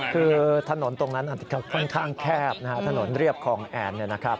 คือถนนตรงนั้นค่อนข้างแคบนะฮะถนนเรียบคลองแอนเนี่ยนะครับ